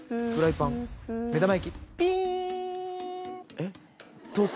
えっ？